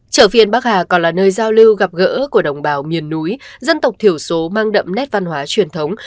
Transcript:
chợ phiên bắc hà còn là nơi giao lưu gặp gỡ của đồng bào miền núi dân tộc thiểu số mang đậm nét văn hóa truyền thống